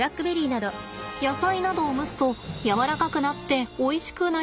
野菜などを蒸すとやわらかくなっておいしくなりますよね。